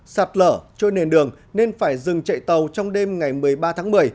sạt lở trôi nền đường nên phải dừng chạy tàu trong đêm ngày một mươi ba tháng một mươi